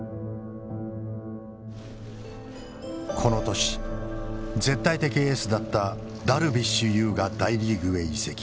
この年絶対的エースだったダルビッシュ有が大リーグへ移籍。